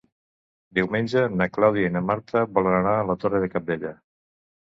Diumenge na Clàudia i na Marta volen anar a la Torre de Cabdella.